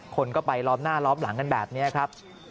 คนก็ไปล้อมหน้าล้อมหลังกันแบบนี้ครับ